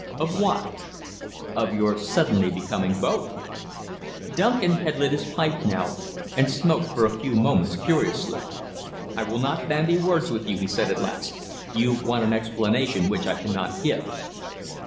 "Of what?" "Of your suddenly becoming both!" Duncan had lit his pipe now, and smoked for a few moments furiously. "I will not bandy words with you," he said at last. "You want an explanation which I cannot give."